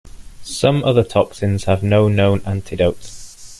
Some other toxins have no known antidote.